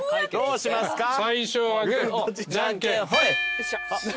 よっしゃ。